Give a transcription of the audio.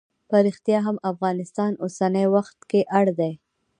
په ریښتیا هم افغانستان اوسنی وخت کې اړ دی.